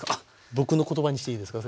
僕の言葉にしていいですか？